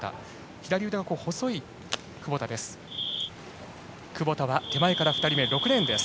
左腕が細い窪田です。